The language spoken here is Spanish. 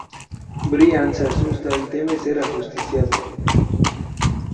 Brian se asusta y teme ser ajusticiado.